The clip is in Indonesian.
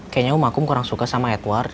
kayaknya om akum kurang suka sama edward